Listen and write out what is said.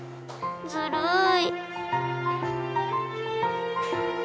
ずるい。